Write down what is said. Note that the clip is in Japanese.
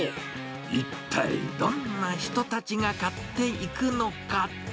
一体どんな人たちが買っていくのか。